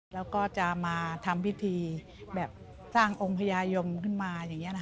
แล้วก็จะมาทำพิธีแบบสร้างองค์พญายมขึ้นมา